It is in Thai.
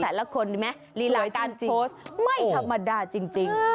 แสดงละคนดีไหมรีหลาการโพสต์ไม่ธรรมดาจริง